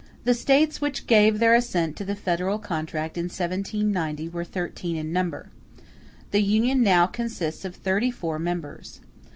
] The States which gave their assent to the federal contract in 1790 were thirteen in number; the Union now consists of thirty four members.